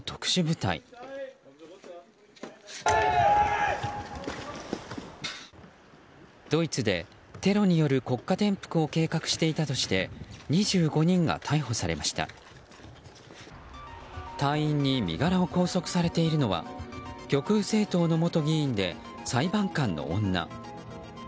隊員に身柄を拘束されているのは極右政党の元議員で裁判官の女。